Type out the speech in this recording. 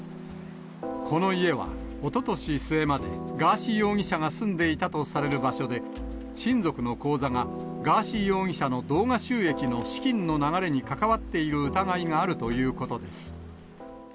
この家は、おととし末まで、ガーシー容疑者が住んでいたとされる場所で、親族の口座がガーシー容疑者の動画収益の資金の流れに関わっている疑いがあるということです。